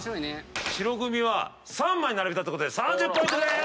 白組は３枚並べたってことで３０ポイントでーす！